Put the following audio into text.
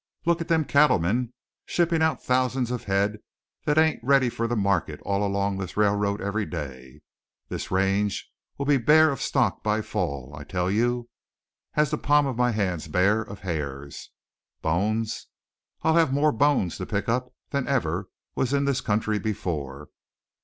Look at them cattlemen shippin' out thousands of head that ain't ready for market all along this railroad every day. This range'll be as bare of stock by fall, I tell you, as the pa'm of my hand's bare of hairs. Bones? I'll have more bones to pick up than ever was in this country before.